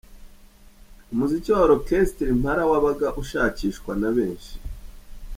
Umuziki wa Orchestre Impala wabaga ushakishwa na benshi.